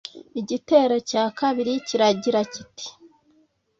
Igitero cya kabiri kiragira kiti